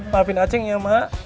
maafin acing ya mak